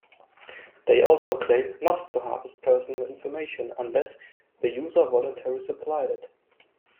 They also claim not to harvest personal information unless "the user voluntarily supplied it".